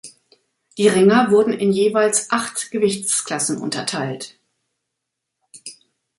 Die Ringer wurden in jeweils acht Gewichtsklassen unterteilt.